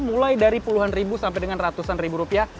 mulai dari puluhan ribu sampai dengan ratusan ribu rupiah